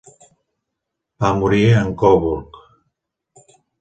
Va morir en Coburg.